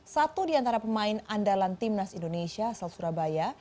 satu di antara pemain andalan timnas indonesia asal surabaya